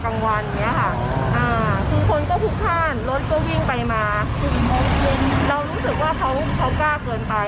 คือคนก็พุกข้านรถก็วิ่งไปมาเรารู้สึกว่าเขาเขากล้าเกินไป